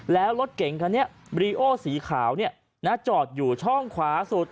แล้วรถเก่งคันนี้บรีโอสีขาวจอดอยู่ช่องขวาสุด